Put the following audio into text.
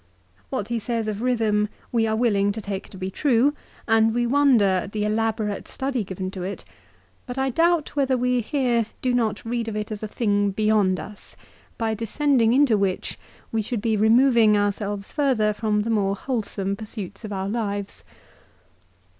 What he says of rhythm we are willing to take to be true, and we wonder at the elaborate study given to it ; but I doubt whether we here do not read of it as a thing beyond us, by descending into which we should be removing ourselves further from the more whole some pursuits of our lives.